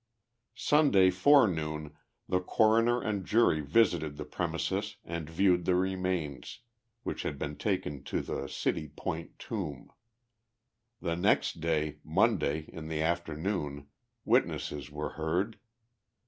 Sunday forenoon the Coroner and jury visited the premises and viewed the remains, which had been taken to the City Point tomb. The next day, Monday, in the afternoon, witnesses were heard.